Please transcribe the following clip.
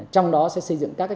trong đó sẽ xây dựng các trạm chốt